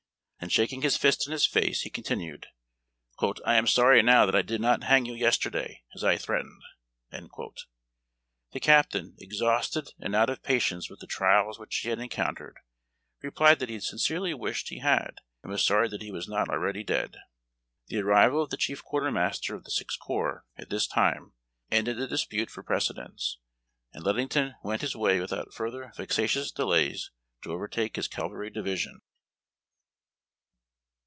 " 376 HARD TACK AND COFFEE. Then shaking his fist in his face, he continued: " I am sorry now that I did not hang you yesterday, as I threatened." The captain, exhausted and out of patience with the trials which he had encountered, replied that he sincerely wislied he had, and was sorry that he was not already dead. The arrival of the chief quartermaster of the Sixth Corps, at this time, ended the dispute for precedence, and Ludington went his way without further vexatious delays to overtake liis cavalry division.